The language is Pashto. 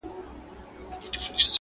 له ناکامه یې ځان سیند ته ور ایله کړ،